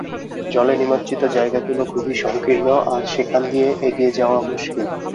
জলে নিমজ্জিত জায়গাগুলো খুবই সংকীর্ণ আর সেখান দিয়ে এগিয়ে যাওয়া মুশকিল।